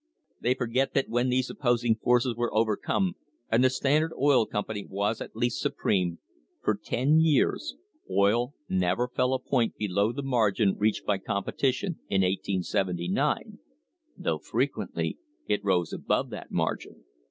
They forget that when these opposing forces were over come, and the Standard Oil Company was at last supreme, for ten years oil never fell a point below the margin reached by competition in 1879, though frequently it rose above that margin.